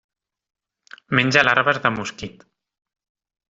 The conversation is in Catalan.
Menja larves de mosquit.